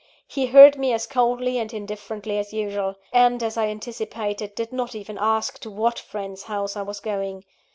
He heard me as coldly and indifferently as usual; and, as I anticipated, did not even ask to what friend's house I was going.